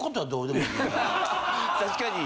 確かに。